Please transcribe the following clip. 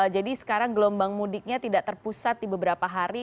jadi sekarang gelombang mudiknya tidak terpusat di beberapa hari